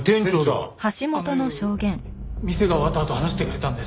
あの夜店が終わったあと話してくれたんです。